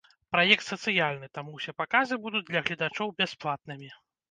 Праект сацыяльны, таму ўсе паказы будуць для гледачоў бясплатнымі.